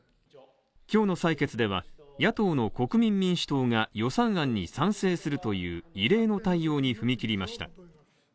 今日の採決では野党の国民民主党が予算案に賛成するという、異例の対応に踏み切りました。